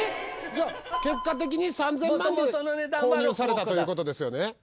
じゃあ結果的に３０００万で購入されたという事ですよね？